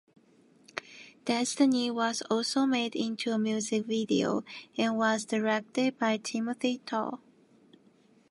"Destiny" was also made into a music video, and was directed by Timothy Tau.